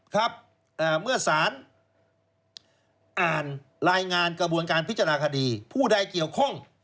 ครับเมื่อสารอ่านรายงานกระบวนการพิจารณาคดีผู้ใดเกี่ยวข้อง